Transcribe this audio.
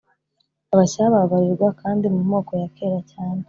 abacyaba babarirwa kandi mu moko ya kera cyane